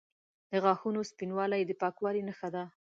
د غاښونو سپینوالی د پاکوالي نښه ده.